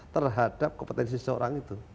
terhadap kompetensi seseorang itu